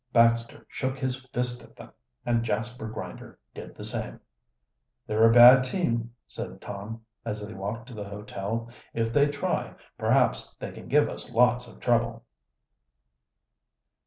Baxter shook his fist at them, and Jasper Grinder did the same. "They're a bad team," said Tom, as they walked to the hotel. "If they try, perhaps they can give us lots of trouble."